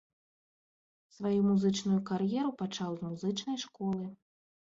Сваю музычную кар'еру пачаў з музычнай школы.